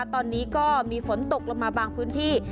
ตอนนี้ก็มีฝนตกลงมาบางพื้นที่